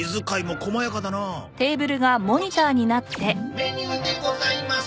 メニューでございます。